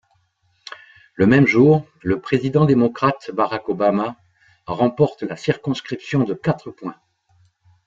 Le même jour, le président démocrate Barack Obama remporte la circonscription de quatre points.